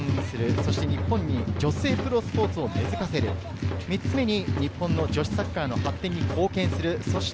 そして日本に女性プロスポーツを根付かせる、３つ目に日本の女子サッカーの発展に貢献する。